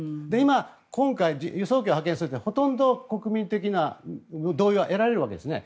今回、輸送機を派遣する時はほとんど国民的な同意は得られるわけですね。